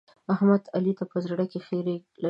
احمد؛ علي ته په زړه کې خيری لري.